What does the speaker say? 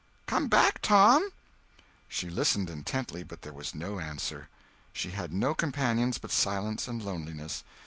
Come back, Tom!" She listened intently, but there was no answer. She had no companions but silence and loneliness.